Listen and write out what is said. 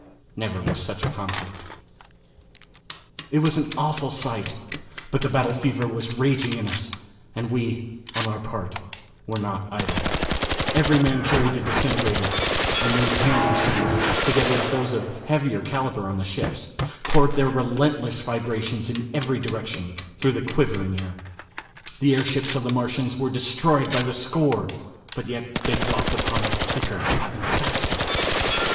Never Was Such a Conflict. It was an awful sight; but the battle fever was raging in us, and we, on our part, were not idle. Every man carried a disintegrator, and these hand instruments, together with those of heavier calibre on the ships poured their resistless vibrations in every direction through the quivering air. The airships of the Martians were destroyed by the score, but yet they flocked upon us thicker and faster.